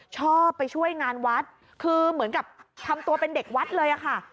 ชอบไปช่วยงานวัดคือเหมือนกับทำตัวเป็นเด็กวัดเลยอะค่ะ